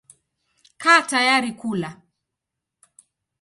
Kaa tayari kula.